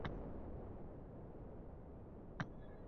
Omma shundaylardan o‘rnak olsin zero.